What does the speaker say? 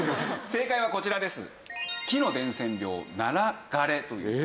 正解はこちらです。